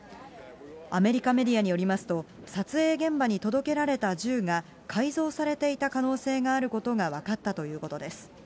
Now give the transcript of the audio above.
アメリカメディアによりますと、撮影現場に届けられた銃が改造されていた可能性があることが分かったということです。